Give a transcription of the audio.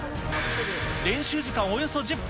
練習時間およそ１０分。